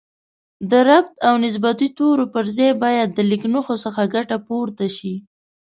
د ربط او نسبتي تورو پر ځای باید د لیکنښو څخه ګټه پورته شي